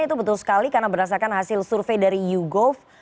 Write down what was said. itu betul sekali karena berdasarkan hasil survei dari yougov